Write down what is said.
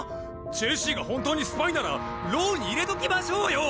ジェシーが本当にスパイなら牢に入れときましょうよ！